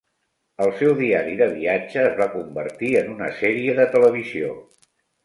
El seu diari de viatge es va convertir en una sèrie de televisió.